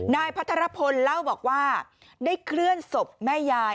นายพัทรพลเล่าบอกว่าได้เคลื่อนศพแม่ยาย